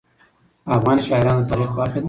افغان شاعران د تاریخ برخه دي.